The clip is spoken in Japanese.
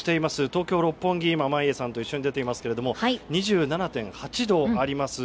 東京・六本木に今、眞家さんと出ていますが２７．８度あります。